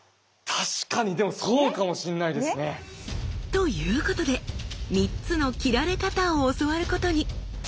確かにでもそうかもしんないですね。ということで３つの斬られ方を教わることに。